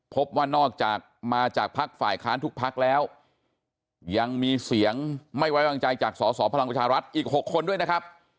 พบว่านอกจากมาจากภักดิ์ฝ่ายค้านทุกพักแล้วยังมีเสียงไม่ไว้วางใจจากสอสอพลังประชารัฐอีก๖คนด้วยนะครับ